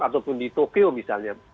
ataupun di tokyo misalnya